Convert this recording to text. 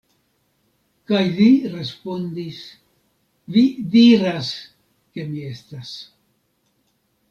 Kaj li respondis: Vi diras, ke mi estas.